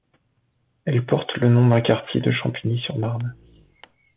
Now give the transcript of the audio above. Elle porte le nom d'un quartier de Champigny-sur-Marne.